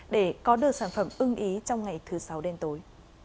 để có được sản phẩm ưng ý trong ngày thứ sáu đêm tối